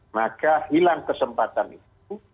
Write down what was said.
maka hilang kesempatan itu